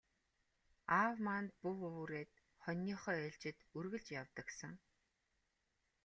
Аав маань буу үүрээд хониныхоо ээлжид үргэлж явдаг сан.